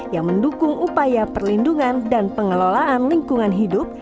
yang mendukung upaya perlindungan dan pengelolaan lingkungan hidup